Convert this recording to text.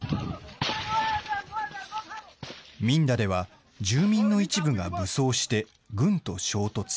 ミンダでは、住民の一部が武装して、軍と衝突。